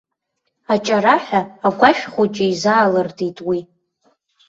Аҷараҳәа агәашә-хәыҷы изаалыртит уи.